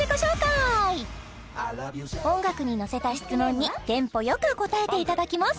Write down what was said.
音楽にのせた質問にテンポよく答えていただきます！